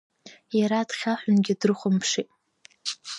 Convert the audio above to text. Иара дхьаҳәынгьы дрыхәамԥшит.